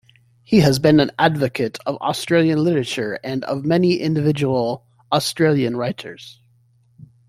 He has been an advocate of Australian literature and of many individual Australian writers.